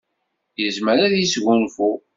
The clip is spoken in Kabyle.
Yezmer ad yesgunfu.